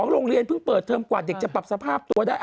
โรงเรียนเพิ่งเปิดเทอมกว่าเด็กจะปรับสภาพตัวได้